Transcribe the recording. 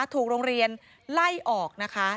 ถูกโรงเรียนไล่ออกนะคะ